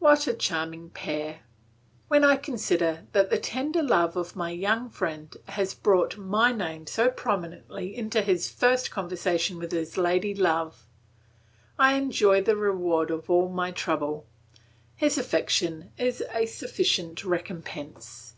What a charming pair! When I consider that the tender love of my young friend has brought my name so prominently into his first conversation with his lady love, I enjoy the reward of all my trouble; his affection is a sufficient recompense.